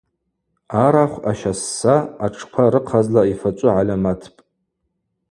Арахв, ащасса, атшква рыхъазла йфачӏвы гӏальаматпӏ.